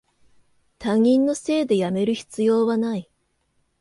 他人のせいでやめる必要はない